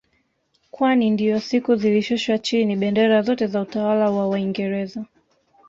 Kwani ndiyo siku zilishushwa chini bendera zote za utawala wa waingereza